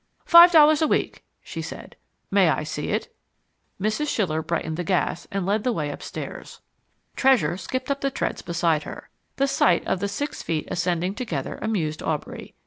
"Five dollars a week," she said. "May I see it?" Mrs. Schiller brightened the gas and led the way upstairs. Treasure skipped up the treads beside her. The sight of the six feet ascending together amused Aubrey.